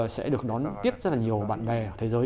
sẽ được đón tiếp rất là nhiều bạn bè ở thế giới